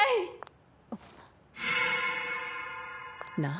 何？